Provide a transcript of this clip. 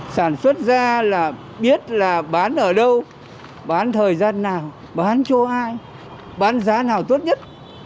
sản xuất ra là biết là bán ở đâu bán thời gian nào bán cho ai bán giá nào tốt nhất